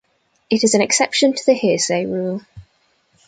It is an exception to the hearsay rule.